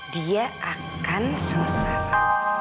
dia akan sengsara